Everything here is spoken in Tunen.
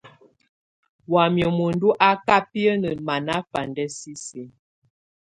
Wamɛ̀á muǝndu á ká biǝ́nǝ manafandɛ sisi.